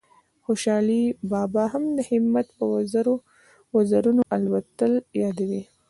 خوشال بابا هم د همت په وزرونو الوتل یادوي